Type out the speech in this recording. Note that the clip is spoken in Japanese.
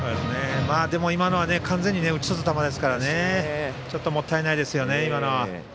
でも、今のは完全に打ち取った球ですからちょっともったいないですよね。